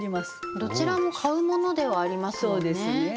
どちらも買うものではありますもんね。